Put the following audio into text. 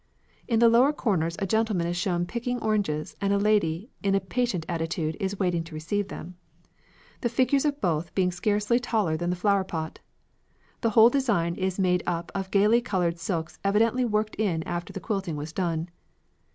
In the lower corners a gentleman is shown picking oranges and a lady in a patient attitude is waiting to receive them, the figures of both being scarcely taller than the flower pot. The whole design is made up of gayly coloured silks evidently worked in after the quilting was done.